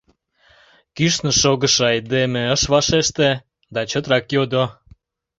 Кӱшнӧ шогышо айдеме ыш вашеште да чотрак йодо.